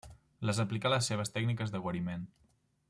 Les aplicà a les seves tècniques de guariment.